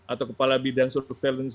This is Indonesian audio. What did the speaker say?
atau kepala bidang surveillance